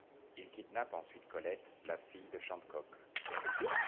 Il kidnappe ensuite Colette, la fille de Chantecoq.